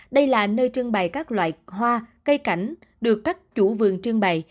đây là nơi trưng bày các loại hoa cây cảnh được các chủ vườn trưng bày